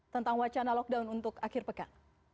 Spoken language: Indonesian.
tentang wacana lockdown untuk akhir pekan